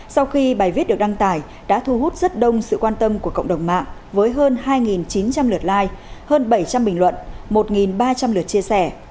sau khi bài viết được đăng tải đã thu hút rất đông sự quan tâm của cộng đồng mạng với hơn hai chín trăm linh lượt like hơn bảy trăm linh bình luận một ba trăm linh lượt chia sẻ